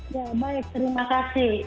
ya baik terima kasih